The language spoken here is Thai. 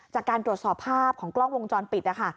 จากการตรวจสอบภาพของกล้องวงจรปิดนะคะ